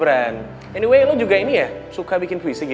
emangnya adalah puisi sudah beans ini